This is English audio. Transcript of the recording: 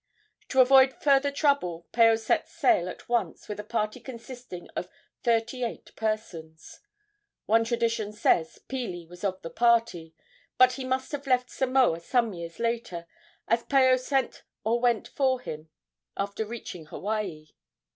To avoid further trouble Paao set sail at once with a party consisting of thirty eight persons. One tradition says Pili was of the party; but he must have left Samoa some years later, as Paao sent or went for him after reaching Hawaii.